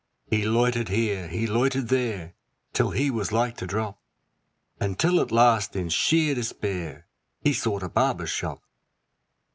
He loitered here, he loitered there, till he was like to drop, Until at last in sheer despair he sought a barber's shop.